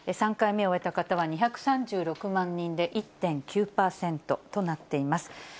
３回目を終えた方は２３６万人で、１．９％となっています。